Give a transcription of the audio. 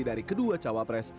dari kedua cawapres